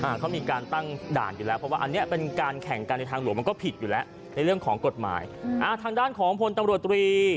เขามีการตั้งด่านอยู่แล้วเพราะว่าอันเนี้ยเป็นการแข่งกันในทางหลวงมันก็ผิดอยู่แล้วในเรื่องของกฎหมายอ่าทางด้านของพลตำรวจตรี